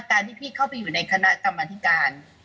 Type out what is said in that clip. การที่พี่เข้าไปอยู่ในคณะกรรมธิการ